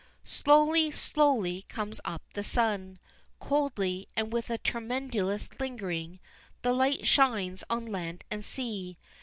Slowly, slowly comes up the sun. Coldly, and with a tremulous lingering, the light shines on land and sea.